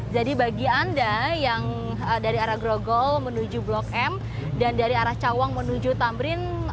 jadi bagi anda yang dari arah grogol menuju blok m dan dari arah cawang menuju tamrin